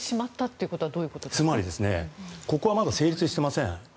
つまり、ここはまだ成立してません。